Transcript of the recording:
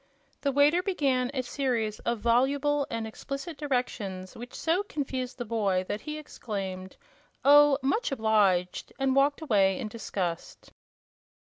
The waiter began a series of voluble and explicit directions which so confused the boy that he exclaimed: "Oh, much obliged!" and walked away in disgust.